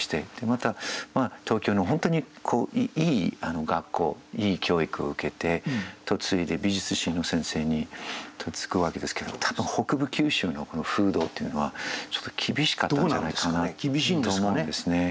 また東京の本当にいい学校いい教育を受けて嫁いで美術史の先生に嫁ぐわけですけども多分北部九州の風土っていうのは厳しかったんじゃないかなと思うんですね。